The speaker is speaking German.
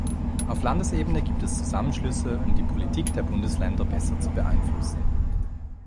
Auf Landesebene gibt es Zusammenschlüsse, um die Politik der Bundesländer besser zu beeinflussen.